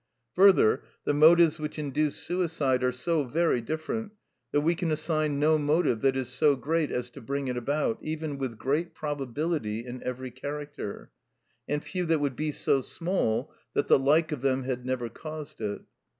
Further, the motives which induce suicide are so very different, that we can assign no motive that is so great as to bring it about, even with great probability, in every character, and few that would be so small that the like of them had never caused it.